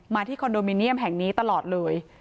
ที่คอนโดมิเนียมแห่งนี้ตลอดเลย